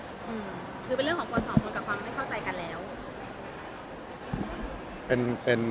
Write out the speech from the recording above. คือเป็นเรื่องของคนสองคนกับความไม่เข้าใจกันแล้ว